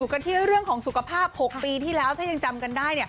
กันที่เรื่องของสุขภาพ๖ปีที่แล้วถ้ายังจำกันได้